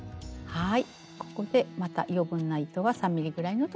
はい。